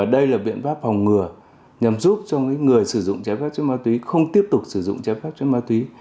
đây là biện pháp phòng ngừa nhằm giúp cho người sử dụng trái phép chất ma túy không tiếp tục sử dụng trái phép chất ma túy